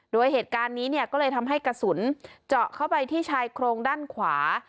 โดยเหตุการณ์นี้เนี่ยก็เลยทำให้กระสุนเจาะเข้าไปที่ชายโครงด้านขวา